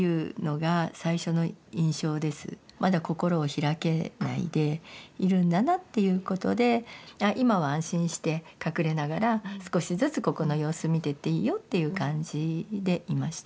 まだ心を開けないでいるんだなっていうことで今は安心して隠れながら少しずつここの様子見てっていいよっていう感じでいました。